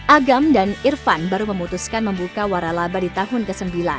agam dan irfan baru memutuskan membuka waralaba di tahun ke sembilan